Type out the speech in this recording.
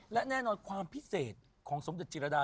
และแน่นอนความพิเศษของสมเด็จจิรดา